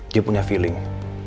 dia punya feeling